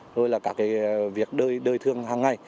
rồi là các việc đời thương hàng ngày